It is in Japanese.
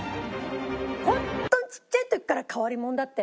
ホントにちっちゃい時から変わり者だったよね